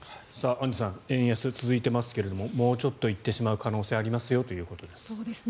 アンジュさん円安が続いていますけれどもうちょっと行ってしまう可能性がありますよということです。